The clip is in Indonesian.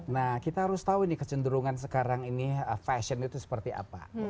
nah kita harus tahu ini kecenderungan sekarang ini fashion itu seperti apa